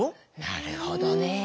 なるほどね。